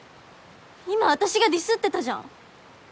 今私がディスってたじゃん。